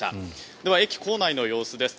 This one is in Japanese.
では、駅構内の様子です。